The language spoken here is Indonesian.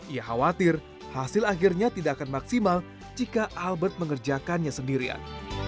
ia khawatir hasil akhirnya tidak akan maksimal jika albert mengerjakannya sendirian